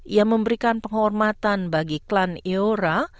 ia memberikan penghormatan bagi klan iora